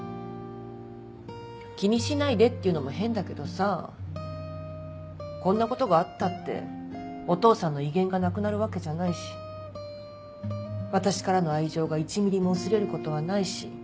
気にしないでって言うのも変だけどさぁこんなことがあったってお父さんの威厳がなくなるわけじゃないし私からの愛情が１ミリも薄れることはないし。